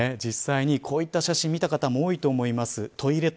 実際にこういった写真見た方も多いと思います。